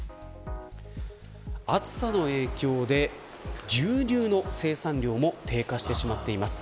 暑さの影響で牛乳の生産量も低下しています。